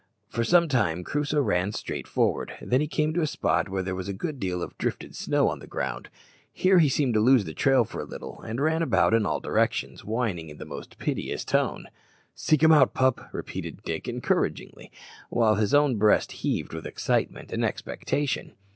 For some time Crusoe ran straight forward. Then he came to a spot where there was a good deal of drifted snow on the ground. Here he seemed to lose the trail for a little, and ran about in all directions, whining in a most piteous tone. "Seek 'em out, pup," repeated Dick encouragingly, while his own breast heaved with excitement and expectation.